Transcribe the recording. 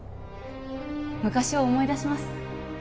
昔を思い出します